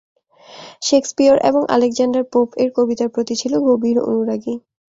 Shakespeare এবং Alexander পোপ-এর কবিতার প্রতি ছিল গভীর অনুরাগী।